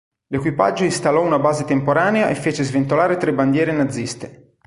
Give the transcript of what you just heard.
L'equipaggio installò una base temporanea e fece sventolare tre bandiere naziste.